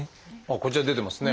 こちらに出てますね。